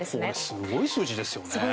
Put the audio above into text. すごい数字ですよね。